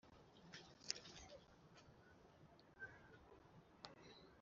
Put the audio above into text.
Uruhushya rw ubucukuzi rutangwa burimwaka .